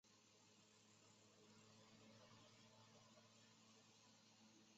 在今内蒙古自治区东部。